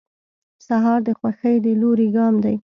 سهار د خوښۍ د لوري ګام دی.